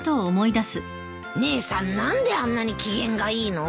姉さん何であんなに機嫌がいいの？